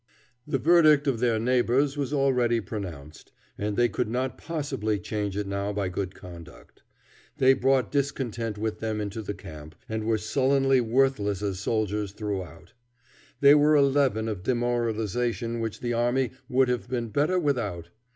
The verdict of their neighbors was already pronounced, and they could not possibly change it now by good conduct. They brought discontent with them into the camp, and were sullenly worthless as soldiers throughout. They were a leaven of demoralization which the army would have been better without.